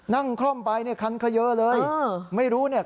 นั่งคล่อมไปเนี่ยคันขเยอะเลยเออไม่รู้เนี่ย